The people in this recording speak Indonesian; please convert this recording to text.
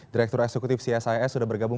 direktur eksekutif csis sudah bergabung